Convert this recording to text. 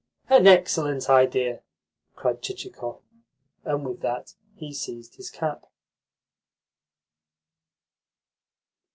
"An excellent idea!" cried Chichikov, and with that he seized his cap.